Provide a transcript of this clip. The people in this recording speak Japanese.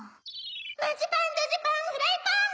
マジパンドジパンフライパン。